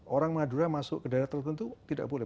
orang madura masuk ke daerah tertentu tidak boleh